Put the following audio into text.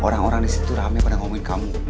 orang orang disitu rame pada ngomongin kamu